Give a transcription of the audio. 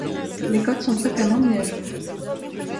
Les codes sont fréquemment mis à jour.